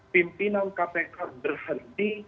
pimpinan kpk berhenti